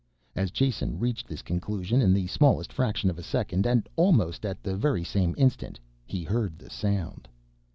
As Jason reached this conclusion in the smallest fraction of a second, and at almost the very same instant, he heard the sound.